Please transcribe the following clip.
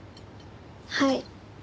はい。